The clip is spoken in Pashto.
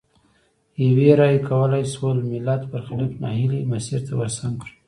یوي رایې کولای سول ملت برخلیک نا هیلي مسیر ته ورسم کړي.